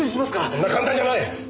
そんな簡単じゃない！